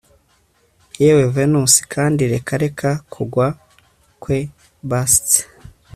Yewe Venusi kandi reka reka kugwa kwe bust